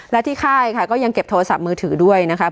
และที่ค่ายค่ะก็ยังเก็บโทรศัพท์มือถือด้วยนะครับ